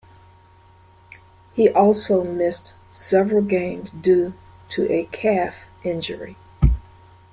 He also missed several games due to a calf injury.